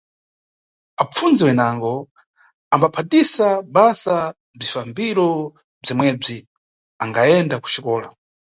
Apfundzi wenango ambaphatisa basa bzifambiro bzomwebzi angayenda kuxikola.